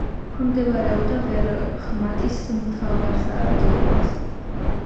ექვემდებარებოდა ვერმახტის მთავარსარდლობას.